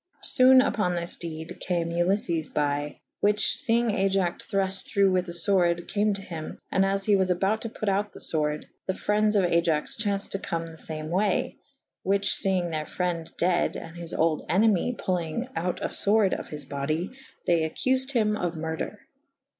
Sone vpon this dede cam Uliffes by / whiche feynge Aiax thruft thrughe with a fwerde : cam to hym, and as he was about to put out the fwerd / the frendes of Aiax chaunced to come the fame way / which feying theyr fre«de deade / and his olde enemy pullynge out a fwerde of his body / they accufed hym of murder.